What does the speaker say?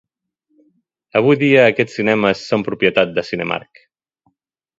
Avui dia aquests cinemes són propietat de Cinemark.